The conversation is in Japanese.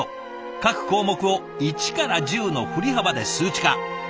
各項目を１から１０の振り幅で数値化。